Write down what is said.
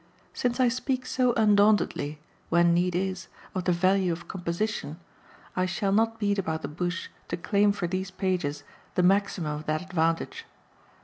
Since I speak so undauntedly, when need is, of the value of composition, I shall not beat about the bush to claim for these pages the maximum of that advantage.